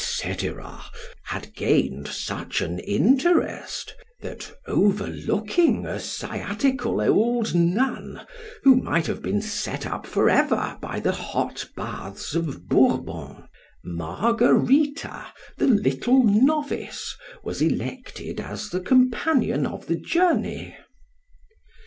—had gained such an interest, that overlooking a sciatical old nun, who might have been set up for ever by the hot baths of Bourbon, Margarita, the little novice, was elected as the companion of the journey.